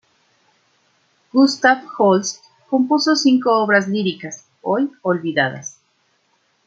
Gustav Holst compuso cinco obras líricas hoy olvidadas.